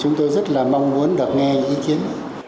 chúng tôi rất là mong muốn được nghe ý kiến